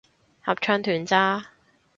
合唱團咋